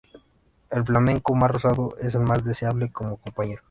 El flamenco más rosado es el más deseable como compañero.